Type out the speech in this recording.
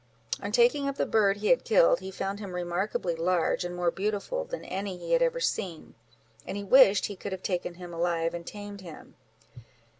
On taking up the bird he had killed, he found him remarkably large, and more beautiful than any he had ever seen; and he wished he could have taken him alive, and tamed him.